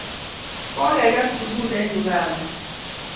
Kokeker sukul en Uganda